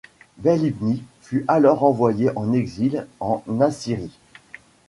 Bel-Ibni fut alors envoyé en exil en Assyrie.